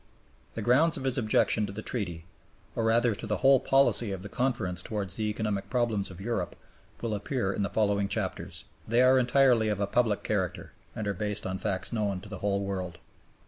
The grounds of his objection to the Treaty, or rather to the whole policy of the Conference towards the economic problems of Europe, will appear in the following chapters. They are entirely of a public character, and are based on facts known to the whole world.